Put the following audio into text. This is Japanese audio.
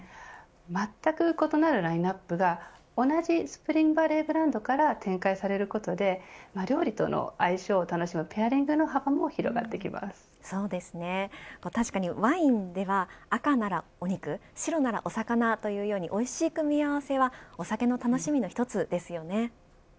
まったく異なるラインアップが同じスプリングバレーブランドから展開されることで料理との相性を楽しむペアリングの幅も確かにワインでは赤ならお肉白ならお魚というようにおいしい組み合わせはお酒の楽しみの１つですよね。